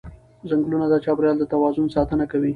ځنګلونه د چاپېریال د توازن ساتنه کوي